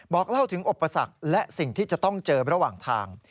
บอกเล่าถึงอุปสรรคและสิ่งที่จะต้องเจอระหว่างทาง